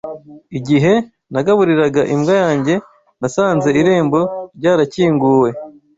Igihe nagaburiraga imbwa yanjye, nasanze irembo ryarakinguwe.